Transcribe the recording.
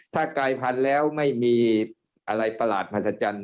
ถ้ากายพันธุ์แล้วไม่มีอะไรประหลาดพันธุ์สัจจันทร์